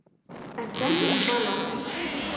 Әсә һәм бала!..